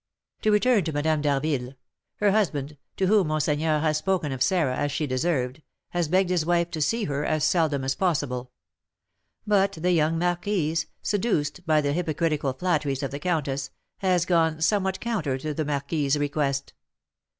To return to Madame d'Harville: her husband, to whom monseigneur has spoken of Sarah as she deserved, has begged his wife to see her as seldom as possible; but the young marquise, seduced by the hypocritical flatteries of the countess, has gone somewhat counter to the marquis's request.